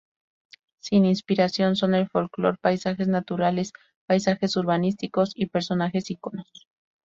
Su inspiración son el folclor, paisajes naturales, paisajes urbanísticos y personajes iconos.